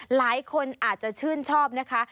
หลายคนอาจจะชื่นชอบนะคะ